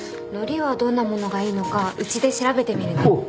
のりはどんなものがいいのかうちで調べてみるね。